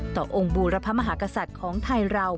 ต่อองค์บูรพมหากษัตริย์ของไทยเรา